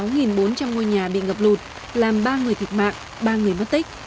bốn trăm linh ngôi nhà bị ngập lụt làm ba người thịt mạng ba người mất tích